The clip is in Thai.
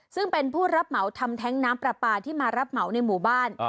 ซึ่งเป็นผู้รับเหมาทำแท้งน้ำปลาปลาที่มารับเหมาในหมู่บ้าน